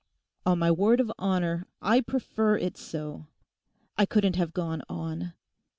'On my word of honour, I prefer it so. I couldn't have gone on.